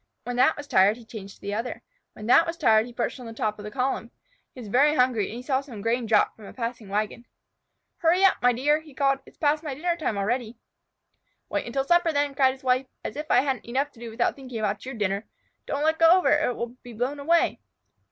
When that was tired he changed to the other. When that was tired he perched on the top of the column. He was very hungry, and he saw some grain dropped from a passing wagon. "Hurry up, my dear!" he called. "It is past my dinner time already." "Wait until supper then," cried his wife. "As if I hadn't enough to do without thinking about your dinner! Don't let go of it or it will be blown away."